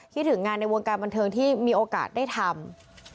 ถึงงานในวงการบันเทิงที่มีโอกาสได้ทำ